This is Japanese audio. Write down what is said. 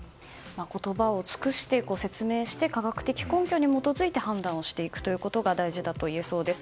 言葉を尽くして説明して科学的根拠に基づいて判断をしていくということが大事だといえそうです。